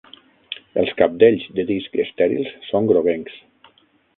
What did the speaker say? Els cabdells de disc estèrils són groguencs.